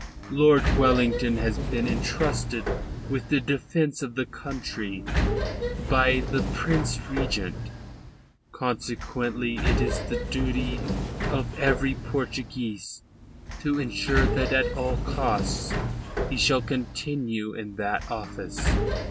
Lord Wellington has been entrusted with the defence of the country by the Prince Regent; consequently it is the duty of every Portuguese to ensure that at all costs he shall continue in that office."